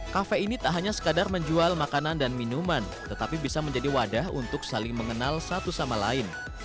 kafe ini tak hanya sekadar menjual makanan dan minuman tetapi bisa menjadi wadah untuk saling mengenal satu sama lain